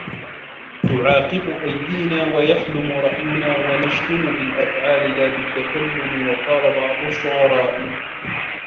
تُعَاقِبُ أَيْدِينَا وَيَحْلُمُ رَأْيُنَا وَنَشْتُمُ بِالْأَفْعَالِ لَا بِالتَّكَلُّمِ وَقَالَ بَعْضُ الشُّعَرَاءِ